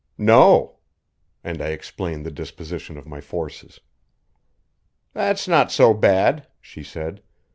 "No." And I explained the disposition of my forces. "That's not so bad," she said.